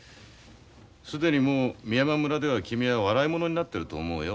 既にもう美山村では君は笑い者になってると思うよ。